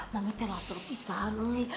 mami tuh sudah terpisah